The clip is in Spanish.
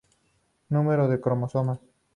Número de cromosomas.